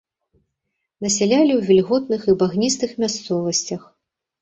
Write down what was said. Насялялі ў вільготных і багністых мясцовасцях.